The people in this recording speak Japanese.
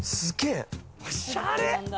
おしゃれ！